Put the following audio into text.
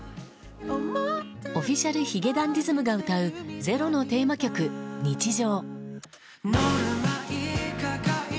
Ｏｆｆｉｃｉａｌ髭男ｄｉｓｍが歌う「ｚｅｒｏ」のテーマ曲「日常」。